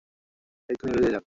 এক্ষুনি বেরিয়ে যান!